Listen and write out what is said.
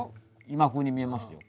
今風に見えますよ。